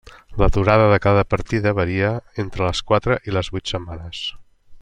La durada de cada partida varia entre les quatre i les vuit setmanes.